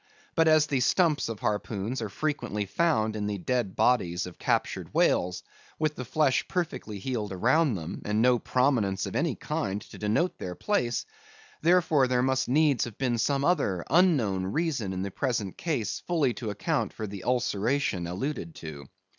But as the stumps of harpoons are frequently found in the dead bodies of captured whales, with the flesh perfectly healed around them, and no prominence of any kind to denote their place; therefore, there must needs have been some other unknown reason in the present case fully to account for the ulceration alluded to.